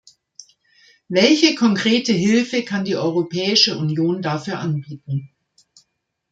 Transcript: Welche konkrete Hilfe kann die Europäische Union dafür anbieten?